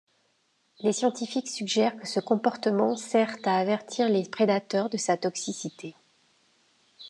Les scientifiques suggèrent que ce comportement sert à avertir les prédateurs de sa toxicité.